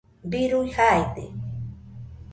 birui jaide